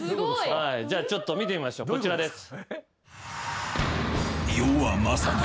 はいじゃあちょっと見てみましょうこちらです。